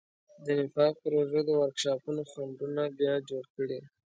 د نفاق پروژو د ورکشاپونو خنډونه بیا جوړ کړي.